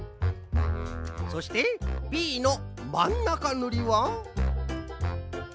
そしてＢのまん中ぬりは。